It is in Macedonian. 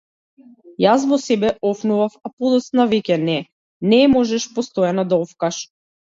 Јас во себе офнував, а подоцна веќе не, не можеш постојано да офкаш.